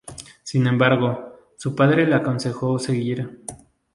Sin embargo, su padre le aconsejó seguir.